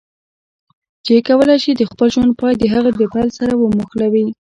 چې کولای شي د خپل ژوند پای د هغه د پیل سره وموښلوي.